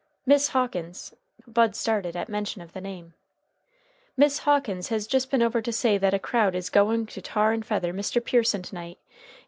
"Miss Hawkins " Bud started at mention of the name. "Miss Hawkins has just been over to say that a crowd is going to tar and feather Mr. Pearson to night.